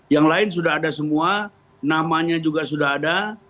yang lain sudah ada semua namanya juga sudah ada